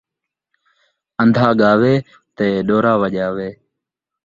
ان٘دھا ڳاوے تے ݙورا وڄاوے